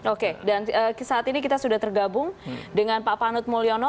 oke dan saat ini kita sudah tergabung dengan pak panut mulyono